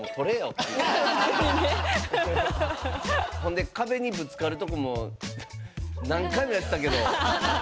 ほんで壁にぶつかるとこも何回もやったけど。